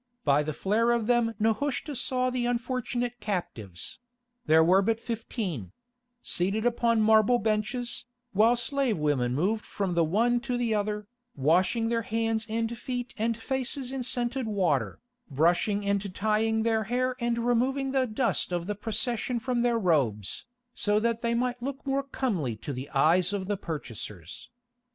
By the flare of them Nehushta saw the unfortunate captives—there were but fifteen—seated upon marble benches, while slave women moved from the one to the other, washing their hands and feet and faces in scented water, brushing and tying their hair and removing the dust of the procession from their robes, so that they might look more comely to the eyes of the purchasers.